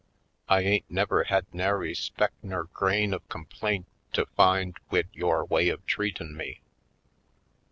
I ain't never had nary speck nur grain of complaint to find wid yore way of treatin' me.